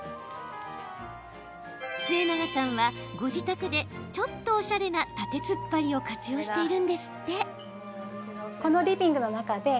末永さんは、ご自宅でちょっとおしゃれな縦つっぱりを活用しているんですって。